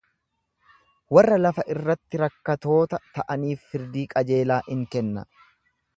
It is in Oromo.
Warra lafa irratti rakkatoota ta'aniif firdii qajeelaa in kenna.